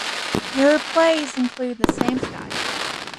Her plays include "The Same Sky".